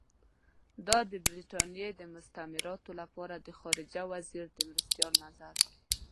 دا د برټانیې د مستعمراتو لپاره د خارجه وزیر د مرستیال نظر دی.